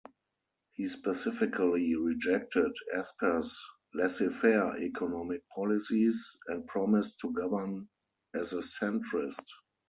He specifically rejected Asper's laissez-faire economic policies, and promised to govern as a centrist.